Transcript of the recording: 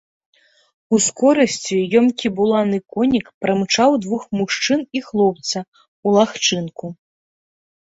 Ускорасці ёмкі буланы конік прымчаў двух мужчын і хлопца ў лагчынку.